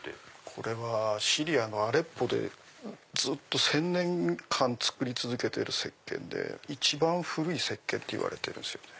これはシリアのアレッポでずっと１０００年間作り続けてる石けんで一番古い石けんっていわれてるんです。